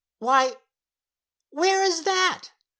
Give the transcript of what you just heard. —Why, where is that?"